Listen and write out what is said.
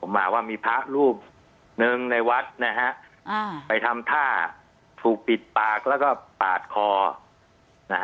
ผมมาว่ามีพระรูปหนึ่งในวัดนะฮะอ่าไปทำท่าถูกปิดปากแล้วก็ปาดคอนะฮะ